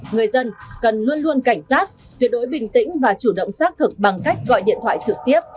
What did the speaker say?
người dân cần luôn luôn cảnh giác tuyệt đối bình tĩnh và chủ động xác thực bằng cách gọi điện thoại trực tiếp